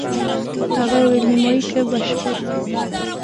هغه وویل: نیمایي که بشپړ؟